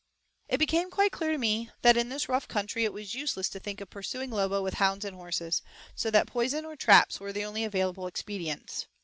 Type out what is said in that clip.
It became quite clear to me that, in this rough country, it was useless to think of pursuing Lobo with hounds and horses, so that poison or traps were the only available expedients.